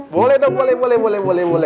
boleh dong boleh boleh